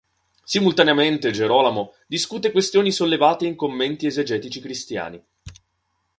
Simultaneamente Gerolamo discute questioni sollevate in commenti esegetici cristiani.